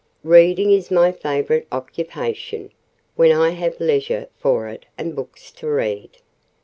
"Reading is my favourite occupation, when I have leisure for it and books to read."